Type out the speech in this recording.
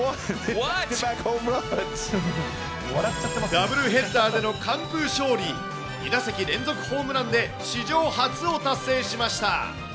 ダブルヘッダーでの完封勝利、２打席連続ホームランで史上初を達成しました。